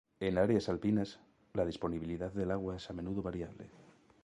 En áreas alpinas, la disponibilidad del agua es a menudo variable.